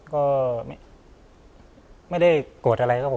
ก็ไม่ได้โกรธอะไรครับผม